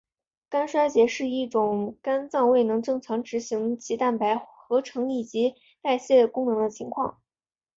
肝衰竭是一种肝脏未能正常执行其蛋白合成以及代谢功能的情况。